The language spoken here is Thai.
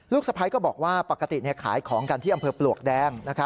สะพ้ายก็บอกว่าปกติขายของกันที่อำเภอปลวกแดง